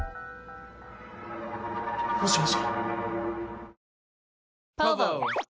もしもし？